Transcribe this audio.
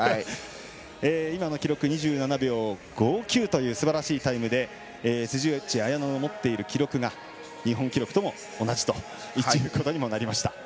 今の記録２７秒５９というすばらしいタイムで辻内彩野が持っている記録が日本記録とも同じということになりました。